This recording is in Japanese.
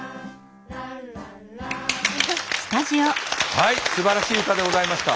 はいすばらしい歌でございました。